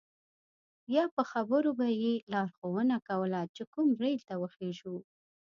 یا په خبرو به یې لارښوونه کوله چې کوم ریل ته وخیژو.